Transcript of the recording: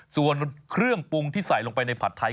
ส่วนเครื่องปรุงที่ใส่ลงไปในผัดไทย